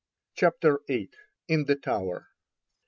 CHAPTER VIII. IN THE TOWER.